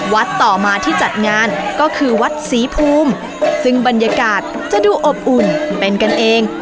ต่อมาที่จัดงานก็คือวัดศรีภูมิซึ่งบรรยากาศจะดูอบอุ่นเป็นกันเอง